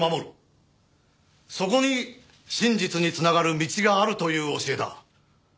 そこに真実に繋がる道があるという教えだ。